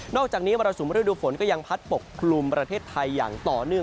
อกจากนี้มรสุมฤดูฝนก็ยังพัดปกคลุมประเทศไทยอย่างต่อเนื่อง